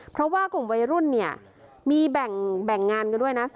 เพราะว่ากลุ่มวัยรุ่นเนี่ยมีแบ่งงานกันด้วยนะ